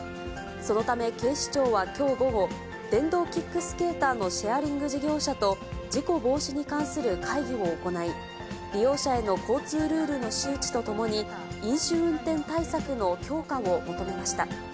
そのため警視庁はきょう午後、電動キックスケーターのシェアリング事業者と、事故防止に関する会議を行い、利用者への交通ルールの周知とともに、飲酒運転対策の強化を求めました。